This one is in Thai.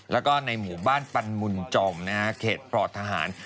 แล้วก็ในหมู่บ้านปันมุนจอมเขตปลอดทหาร